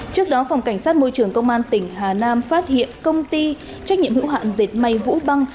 trước đó phòng cảnh sát môi trường công an tỉnh hà nam phát hiện công ty trách nhiệm hữu hạn dệt may vũ băng